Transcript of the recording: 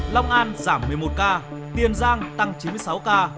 long an giảm một mươi một ca tiền giang tăng chín mươi sáu ca